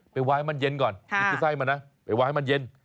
ไปไหว้ให้มันเย็นก่อนไปไหว้ให้มันเย็น